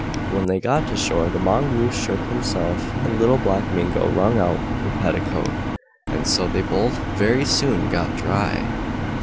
When they got to shore the Mongoose shook himself, and Little Black Mingo wrung out her petticoat, and so they both very soon got dry.